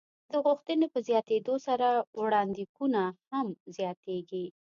د غوښتنې په زیاتېدو سره وړاندېکونه هم زیاتېږي.